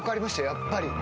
やっぱり。